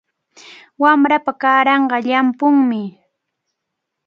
Wamrapa kaaranqa llampumi.